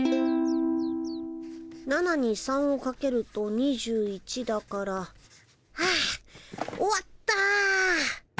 ７に３をかけると２１だから。はあ終わった。